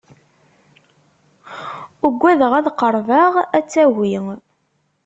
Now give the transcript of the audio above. Ugadeɣ ad qerbeɣ ad tagi.